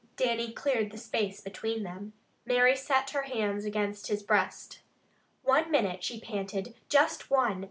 Dannie cleared the space between them. Mary set her hands against his breast. "One minute," she panted. "Just one!